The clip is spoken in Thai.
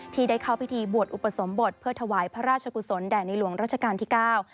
ที่ได้เข้าพิธีบวชอุปสมบทเพื่อถวายพระราชกุศลแด่ในหลวงราชการที่เก้า